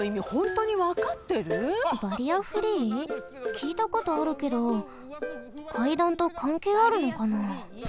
きいたことあるけどかいだんとかんけいあるのかな？